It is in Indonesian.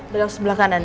belok sebelah kanan